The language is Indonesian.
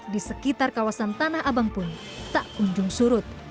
di sekitar kawasan tanah abang pun tak kunjung surut